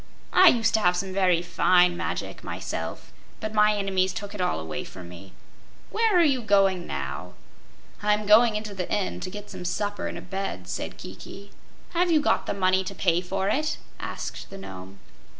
"I used to have some very fine magic, myself, but my enemies took it all away from me. Where are you going now?" "I'm going into the inn, to get some supper and a bed," said Kiki. "Have you the money to pay for it?" asked the Nome.